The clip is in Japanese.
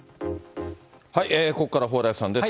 ここからは蓬莱さんです。